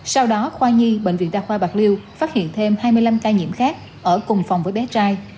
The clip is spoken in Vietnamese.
sau đó khoa nhi bệnh viện đa khoa bạc liêu phát hiện thêm hai mươi năm ca nhiễm khác ở cùng phòng với bé trai